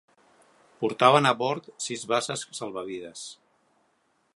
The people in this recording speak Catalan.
Portaven a bord sis basses salvavides.